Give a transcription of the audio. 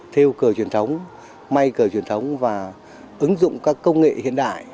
theo cờ truyền thống may cờ truyền thống và ứng dụng các công nghệ hiện đại